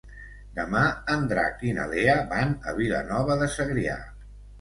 Demà en Drac i na Lea van a Vilanova de Segrià.